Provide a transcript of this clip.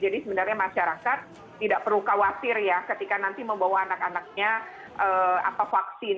biar saya sarankan tidak perlu khawatir ya ketika nanti membawa anak anaknya vaksin